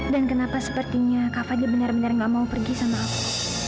dan kenapa sepertinya kak fadil benar benar gak mau pergi sama aku